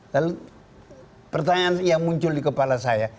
lalu pertanyaan yang muncul di kepala saya